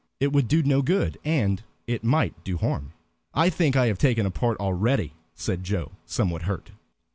It would do no good, and it might do harm." "I think I have taken a part already," said Joe, somewhat hurt.